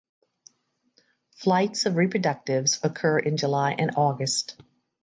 Flights of reproductives occur in July and August.